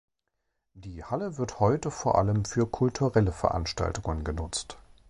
Die Halle wird heute vor allem für kulturelle Veranstaltungen genutzt.